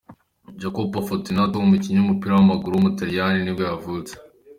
Jacopo Fortunato, umukinnyi w’umupira w’amaguru w’umutaliyani nibwo yavutse.